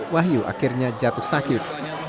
wahyu akhirnya jatuh sakit